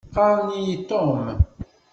Qqaṛen-iyi Tom.